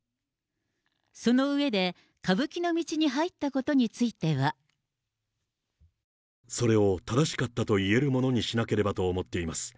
その上で、歌舞伎の道に入ったことについては。それを正しかったと言えるものにしなければと思っています。